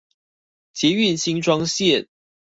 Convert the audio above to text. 捷運新莊線